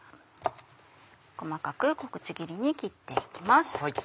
細かく小口切りに切って行きます。